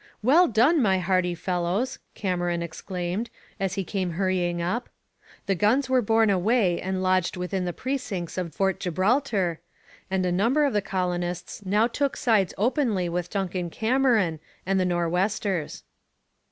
'Well done, my hearty fellows,' Cameron exclaimed, as he came hurrying up. The guns were borne away and lodged within the precincts of Fort Gibraltar, and a number of the colonists now took sides openly with Duncan Cameron and the Nor'westers.